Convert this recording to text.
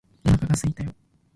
お腹がすいたよ